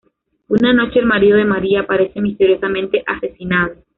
Una noche, el marido de "María" aparece misteriosamente asesinado.